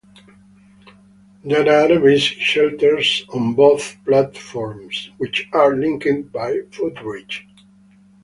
There are basic shelters on both platforms, which are linked by footbridge.